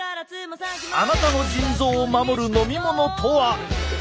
あなたの腎臓を守る飲み物とは？